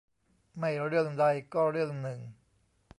ไม่เรื่องใดก็เรื่องหนึ่ง